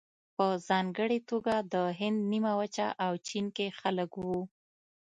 په ځانګړې توګه د هند نیمه وچه او چین کې خلک وو.